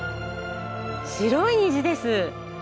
白い虹です。